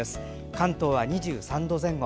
関東は２３度前後。